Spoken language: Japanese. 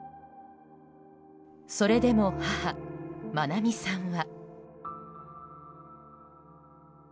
それでも、母・まなみさんは。